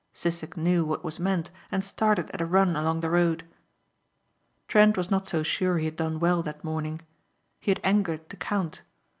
Sissek knew what was meant and started at a run along the road. Trent was not so sure he had done well that morning. He had angered the count.